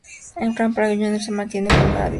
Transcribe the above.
Rampla Juniors se mantiene en Primera División.